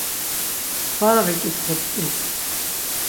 Svara viǩitxup̌t̆i.